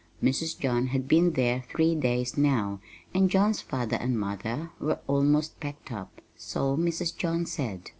Mrs. John had been there three days now, and John's father and mother were almost packed up so Mrs. John said.